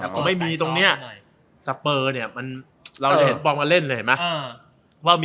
แต่พอไม่มีตรงนี้สเปอร์เนี่ยเราจะเห็นปองมาเล่นเลยเห็นไหม